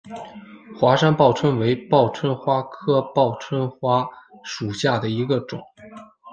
华山报春为报春花科报春花属下的一个种。